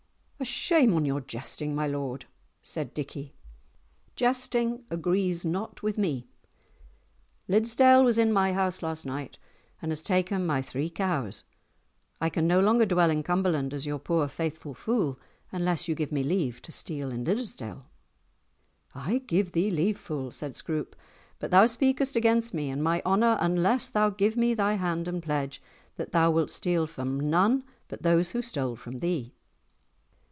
"A shame on your jesting, my lord!" said Dickie, "jesting agrees not with me. Liddesdale was in my house last night and has taken my three cows. I can no longer dwell in Cumberland as your poor faithful fool, unless you give me leave to steal in Liddesdale." "I give thee leave, fool!" said Scroope; "but thou speakest against me and my honour unless thou give me thy hand and pledge that thou wilt steal from none but those who stole from thee."